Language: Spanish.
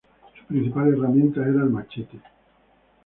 Su principal herramienta era el machete.